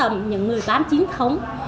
những người bán chiến thống